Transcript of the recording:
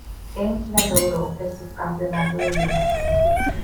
En la logró el subcampeonato de liga.